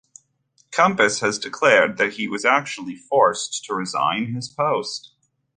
Compass has declared that he was actually forced to resign his post.